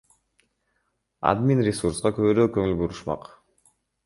Админресурска көбүрөөк көңүл бурушмак.